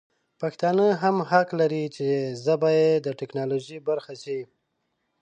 پښتانه هم حق لري چې ژبه یې د ټکنالوژي برخه شي.